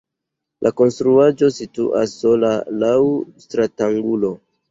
La konstruaĵo situas sola laŭ stratangulo.